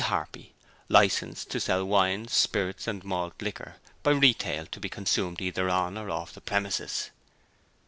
Harpy. Licensed to sell wines, spirits and malt liquor by retail to be consumed either on or off the premises.'